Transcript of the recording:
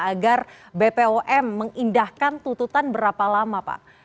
agar bpom mengindahkan tututan berapa lama pak